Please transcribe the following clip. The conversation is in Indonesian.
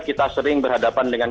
kita sering berhadapan dengan